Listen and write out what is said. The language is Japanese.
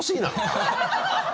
ハハハ